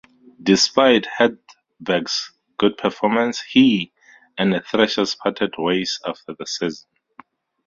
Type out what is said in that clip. Despite Hedberg's good performance he and the Thrashers parted ways after the season.